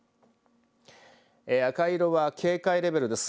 赤色は警戒レベルです。